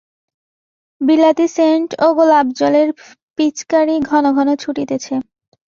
বিলাতি সেন্ট ও গোলাপ জলের পিচকারি ঘন ঘন ছুটিতেছে।